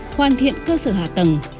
hoàn thiện cơ sở hạ tầng